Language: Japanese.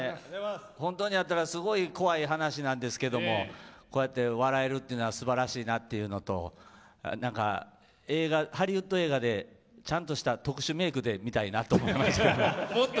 本当にあったらすごい怖い話なんですけどこうやって、笑えるというのはすばらしいなっていうのとなんか、ハリウッド映画でちゃんとした特殊メークで見たいなと思いました。